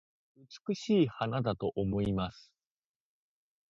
美しい花だと思います